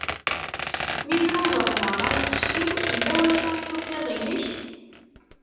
Mi tnudaḍ meṛṛa lqecc-iw, illa wacu i tufiḍ inek?